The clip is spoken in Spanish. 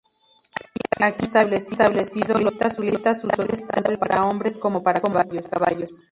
Aquí habían establecido los carlistas sus hospitales, tanto para hombres como para caballos.